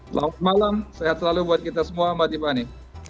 selamat malam sehat selalu buat kita semua mati mati